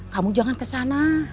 kamu jangan kesana